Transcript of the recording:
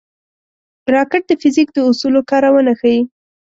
راکټ د فزیک د اصولو کارونه ښيي